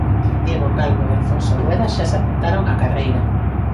Diego Calvo e Alfonso Rueda xa se apuntaron á carreira.